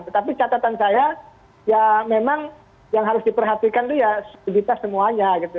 tetapi catatan saya ya memang yang harus diperhatikan itu ya soliditas semuanya gitu